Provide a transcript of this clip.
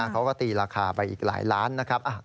เขาก็ตีราคาไปอีกหลายล้านนะครับ